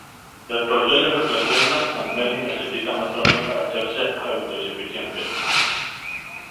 Los polluelos eclosionan al mes y necesitan otro mes para hacerse autosuficientes.